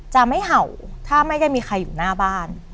จะไม่เห่าถ้าไม่ได้มีใครอยู่หน้าบ้าน